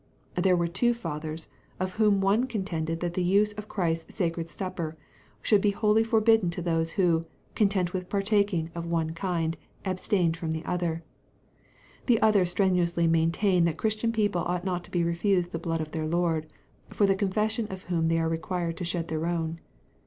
There were two fathers, of whom one contended that the use of Christ's sacred supper should be wholly forbidden to those who, content with partaking of one kind, abstained from the other; the other strenuously maintained that Christian people ought not to be refused the blood of their Lord, for the confession of whom they are required to shed their own.